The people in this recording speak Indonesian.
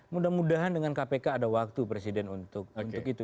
mudah mudahan dengan kpk ada waktu presiden untuk itu